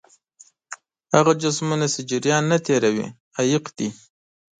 هغه جسمونه چې جریان نه تیروي عایق دي.